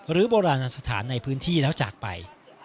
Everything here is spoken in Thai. โบราณสถานในพื้นที่แล้วจากไป